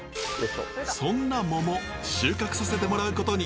そんなモモ収穫させてもらうことに。